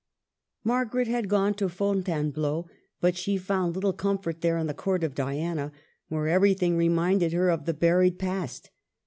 Margaret had gone to Fontainebleau, but she found little comfort there in the Court of Diana, where everything reminded her of the buried past.